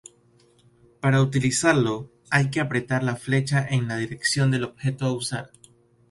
Para utilizarlo, hay que apretar la flecha en la dirección del objeto a usar.